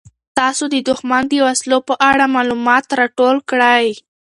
تاسو د دښمن د وسلو په اړه معلومات راټول کړئ.